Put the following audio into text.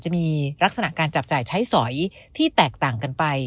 จะมีลักษณะการจับจ่ายใช้สอยที่แตกต่างกันไป